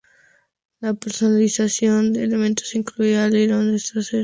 La personalización de elementos incluían alerones traseros, kits de escape y llantas de aleación.